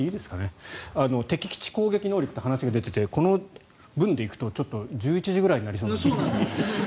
敵基地攻撃能力という話が出ていてこの分で行くと１１時ぐらいになりそうなので。